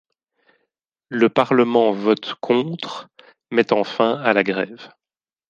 Le Parlement vote contre, mettant fin à la grève.